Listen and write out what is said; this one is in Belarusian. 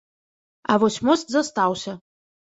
А вось мост застаўся.